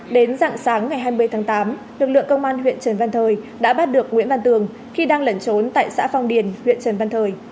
đến dạng sáng ngày hai mươi tháng tám lực lượng công an huyện trần văn thời đã bắt được nguyễn văn tường khi đang lẩn trốn tại xã phong điền huyện trần văn thời